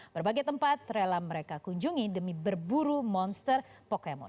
berbagai tempat rela mereka kunjungi demi berburu monster pokemon